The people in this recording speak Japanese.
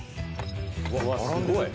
すごい。